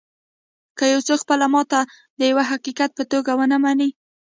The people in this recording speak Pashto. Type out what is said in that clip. که یو څوک خپله ماتې د یوه حقیقت په توګه و نهمني